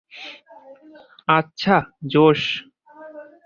আচ্ছা, জোশ।